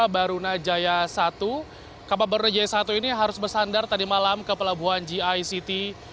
barunajaya satu kapal barunajaya satu ini harus bersandar tadi malam ke pelabuhan gict